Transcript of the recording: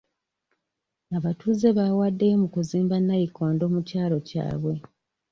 Abatuuze baawaddeyo mu kuzimba nnayikondo mu kyalo kyabwe.